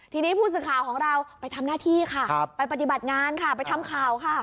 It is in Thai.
ทีนี้ผู้สื่อข่าวของเราไปทำหน้าที่ค่ะไปปฏิบัติงานค่ะไปทำข่าวค่ะ